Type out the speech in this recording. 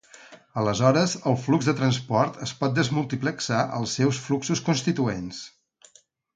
Aleshores, el flux de transport es pot desmultiplexar als seus fluxos constituents.